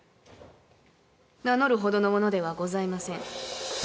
名乗るほどのものではございません。